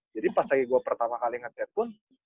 jadi pas lagi gue pertama kali nge chat pun